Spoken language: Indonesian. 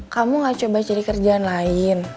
kamu gak coba cari kerjaan lain